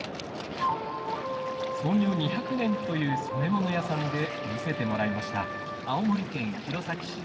創業２００年という染め物屋さんで見せてもらいました。